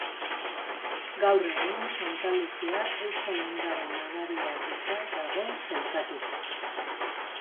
Gaur egun Santa Luzia euskal ondare nabaria gisa dago sailkatuta.